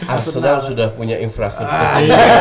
arsenal sudah punya infrastructure